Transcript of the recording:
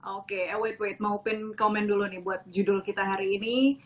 oke eh wait wait mau pin komen dulu nih buat judul kita hari ini